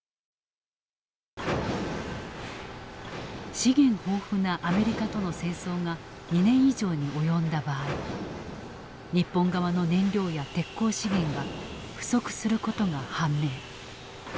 資源豊富なアメリカとの戦争が２年以上に及んだ場合日本側の燃料や鉄鋼資源が不足することが判明。